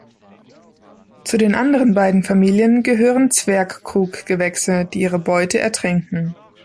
Zu den anderen beiden Familien gehören Zwergkruggewächse, die ihre Beute ertränken.